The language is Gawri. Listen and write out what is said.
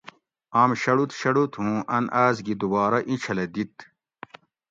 آم شڑوت شڑوت ھوں ان آس گی دوبارہ ایچھلہ دِت